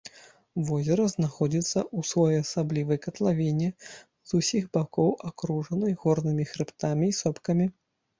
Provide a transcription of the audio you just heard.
Возера знаходзіцца ў своеасаблівай катлавіне, з усіх бакоў акружанай горнымі хрыбтамі і сопкамі.